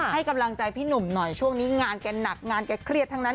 ให้กำลังใจพี่หนุ่มหน่อยช่วงนี้งานแกหนักงานแกเครียดทั้งนั้น